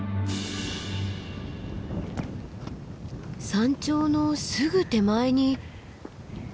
山頂のすぐ手前に。